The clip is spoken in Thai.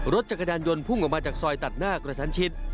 รถจักรยานยนต์พุ่งออกมาจากซอยตัดหน้ากระชั้นชิด